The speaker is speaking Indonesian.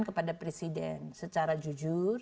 kepada presiden secara jujur